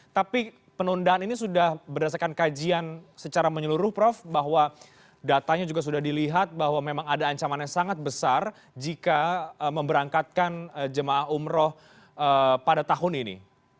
tapi penundaan ini sudah berdasarkan kajian secara menyeluruh prof bahwa datanya juga sudah dilihat bahwa memang ada ancaman yang sangat besar jika memberangkatkan jemaah umroh pada tahun ini